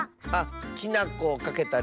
きなこをかけたりとか。